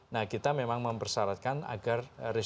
nah kita memang mempersyaratkan agar research vessel kita yang di sini